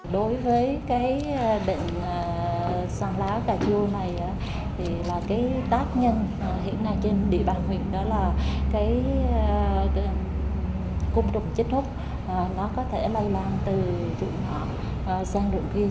đối với cái bệnh xoăn lá cà chua này thì là cái tác nhân hiện nay trên địa bàn huyện đó là cái cung trùng chất thuốc nó có thể lây lan từ rượu ngọn sang rượu kia